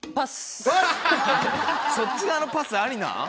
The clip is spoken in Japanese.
そっち側のパスありなん？